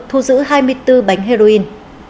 thu giữ hai mươi bốn bánh heroin